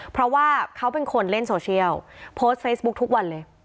เพราะว่าเขาเป็นคนเล่นโซเชียลโพสต์เฟซบุ๊คทุกวันเลย